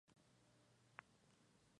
D. de la University of Southern California.